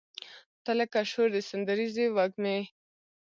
تۀ لکه شور د سندریزې وږمې